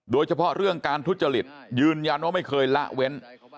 โดยเฉพาะเรื่องการทุจริตยืนยันว่าไม่เคยละเว้น